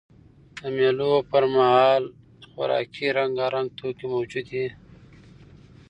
د مېلو پر مهال خوراکي رنګارنګ توکي موجود يي.